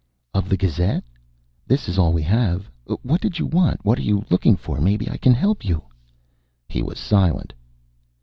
"Of the Gazette? This is all we have. What did you want? What are you looking for? Maybe I can help you." He was silent.